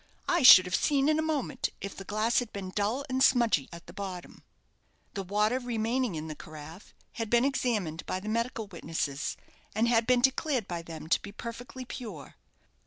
I should have seen in a moment if the glass had been dull and smudgy at the bottom." The water remaining in the carafe had been examined by the medical witnesses, and had been declared by them to be perfectly pure.